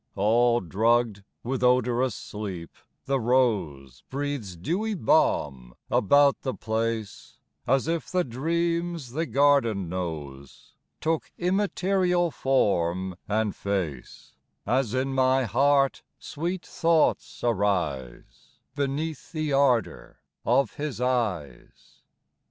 All drugged with odorous sleep, the rose Breathes dewy balm about the place, As if the dreams the garden knows Took immaterial form and face As in my heart sweet thoughts arise Beneath the ardour of his eyes.